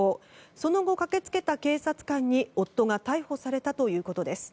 その後、駆けつけた警察官に夫が逮捕されたということです。